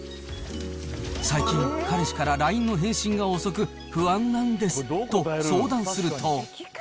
最近、彼氏からＬＩＮＥの返信が遅く、不安なんですと相談すると。